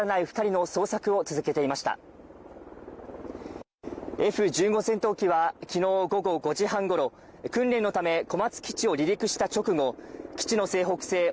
二人の捜索を続けていましたＦ１５戦闘機はきのう午後５時半ごろ訓練のため小松基地を離陸した直後基地の西北西